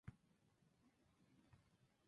Ligada al Partido Demócrata Cristiano.